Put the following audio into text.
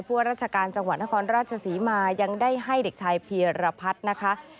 พรจังหวัดนครราชสีมายังได้ให้เด็กชายเพียรพัฒน์นะคะ